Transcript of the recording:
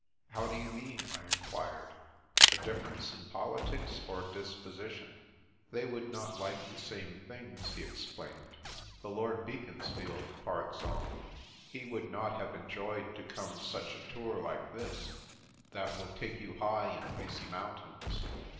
" How do you mean?" I enquired. "A differ ence in politics or disposition ?"" They would not like the same things/' he ex plained. " The Lord Beaconsfield, par exemple, he would not have enjoyed to come such a tour like this, that will take you high in icy mountains.